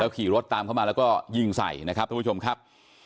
ขี่รถตามเข้ามาแล้วก็ยิงใส่นะครับทุกผู้ชมครับ